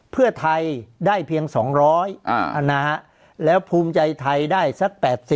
เพื่อไทยได้เพียง๒๐๐แล้วภูมิใจไทยได้สัก๘๐